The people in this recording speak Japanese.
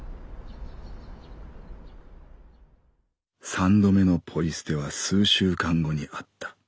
「三度目のポイ捨ては数週間後にあった。